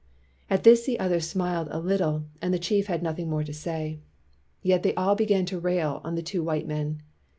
At this the others smiled a little and the 229 WHITE MAN OF WORK chief had nothing more to say. Yet they all began to rail on the two white men.